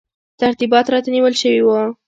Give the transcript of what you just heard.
ترتیبات راته نیول شوي وو.